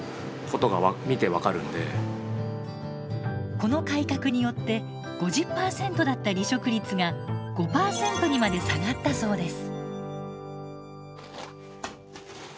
この改革によって５０％だった離職率が５％にまで下がったそうです。